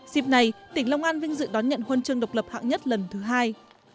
dịp này tỉnh long an vinh dự đón nhận huân chương độc lập hạng nhất lần thứ hai